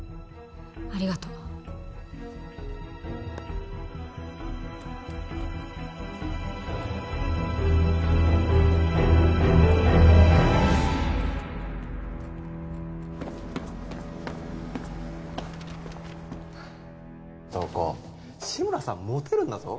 ありがとう東子志村さんモテるんだぞ